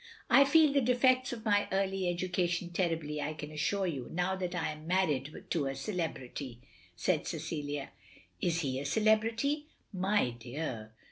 "I feel the defects of my early education terribly, I can assure you, now that I am married to a celebrity, " said Cecilia. "Is he a celebrity?" "My dear!